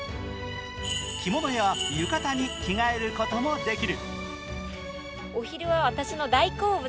着物や浴衣に着替えることもできる。